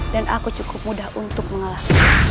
dan aku cukup mudah untuk mengalah